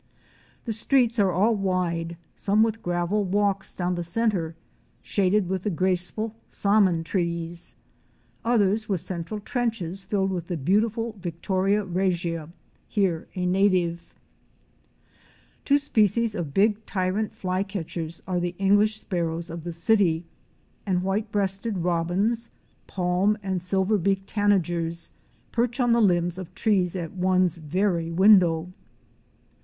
The streets are all wide, some with gravel walks down the centre, shaded with the graceful saman trees; others with central trenches filled with the beautiful Victoria regia — here a native. Two species of big Tyrant Flycatchers *' are the Eng lish Sparrows of the city and White breasted Robins,' Palm "* and Silver beak "° Tanagers perch on the limbs of trees at one's very window.